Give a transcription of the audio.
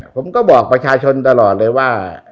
ผมก็บอกประชาชนตลอดเลยว่า